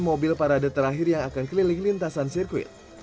mobil parade terakhir yang akan keliling lintasan sirkuit